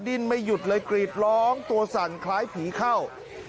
ดิ้นไม่หยุดเลยกรีดร้องตัวสั่นคล้ายผีเข้า